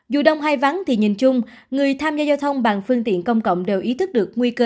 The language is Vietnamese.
dù đông hay vắng thì nhìn chung người tham gia giao thông bằng phương tiện công cộng đều ý thức được nguy cơ